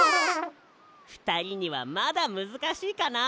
ふたりにはまだむずかしいかな。